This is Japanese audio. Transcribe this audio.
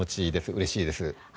うれしいです。